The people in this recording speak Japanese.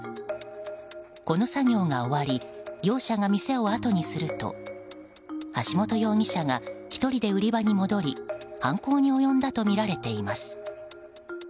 この作業が終わり業者が店をあとにすると橋本容疑者が１人で売り場に戻り犯行に及んだとみられています。